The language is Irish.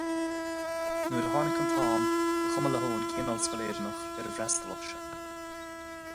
Nuair a tháinig an t-am, ba chuma le hEoin cén ollscoil Éireannach ar a bhfreastalódh sé.